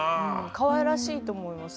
かわいらしいと思います